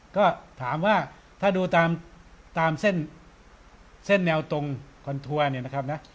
ก็ถามว่าถ้าดูตามเส้นเส้นแนวตรงคอนทัวร์เนี่ยนะครับนะ